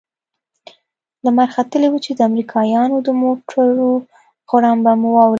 لمر ختلى و چې د امريکايانو د موټرو غړمبه مو واورېد.